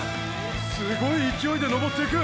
すごい勢いで登っていく！！